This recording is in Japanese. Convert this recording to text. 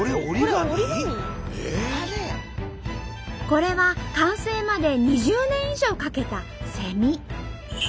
これは完成まで２０年以上かけた「セミ」。